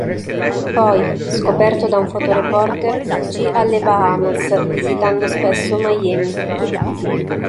Poi, scoperto da un fotoreporter, fuggì alle Bahamas, visitando spesso Miami.